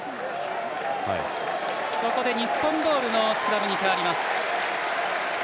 ここで日本ボールのスクラムに変わります。